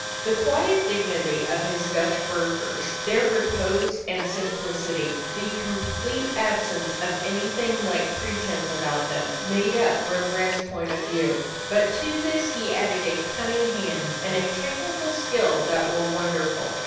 The quiet dignity of his Dutch burghers, their repose and simplicity, the complete absence of anything like pretense about them, made up Rembrandt's point of view; but to this he added a cunning hand and a technical skill that were wonderful.